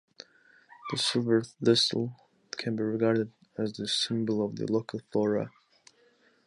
The silver thistle can be regarded as the symbol of the local flora.